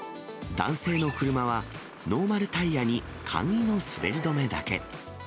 男性の車は、ノーマルタイヤに簡易の滑り止めだけ。